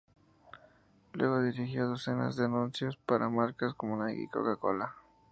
Luego dirigió docenas de anuncios para marcas como Nike y Coca-Cola.